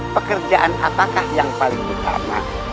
pekerjaan apakah yang paling utama